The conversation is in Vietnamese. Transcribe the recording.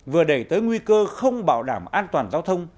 vừa đẩy tới nguy cơ không bảo đảm an toàn giao thông